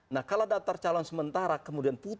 nah kalau daftar calon sementara kemudian